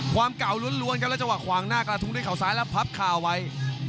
ความเก่าล้วนครับแล้วจังหวะขวางหน้ากระทุ้งด้วยเขาซ้ายแล้วพับคาไว้